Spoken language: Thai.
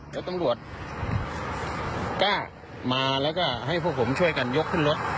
เดี๋ยวตำรวจกล้ามาแล้วก็ให้พวกผมช่วยกันยกขึ้นรถ